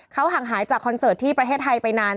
เขาห่างหายจากคอนเสิร์ตที่ประเทศไทยไปนาน